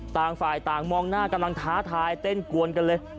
ต่างฝ่ายต่างมองหน้ากำลังท้าทายเต้นกวนกันเลย